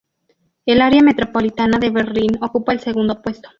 El área metropolitana de Berlín ocupa el segundo puesto.